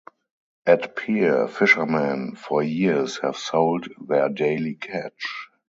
At pier, fishermen for years have sold their daily catch.